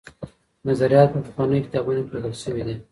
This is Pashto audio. نظریات په پخوانیو کتابونو کي لیکل سوي دي.